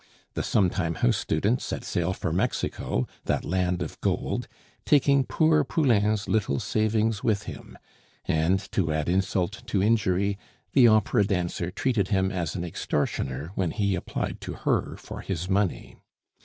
The sometime house student set sail for Mexico, that land of gold, taking poor Poulain's little savings with him; and, to add insult to injury, the opera dancer treated him as an extortioner when he applied to her for his money.